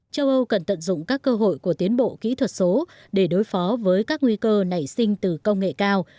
châu âu cần tận dụng các cơ hội của tiến bộ kỹ thuật số để đối phó với các nguy cơ nảy sinh từ công nghệ cao